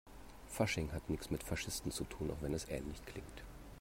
Fasching hat nichts mit Faschisten zu tun, auch wenn es ähnlich klingt.